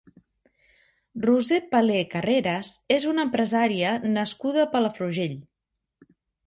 Roser Palé Carreras és una empresària nascuda a Palafrugell.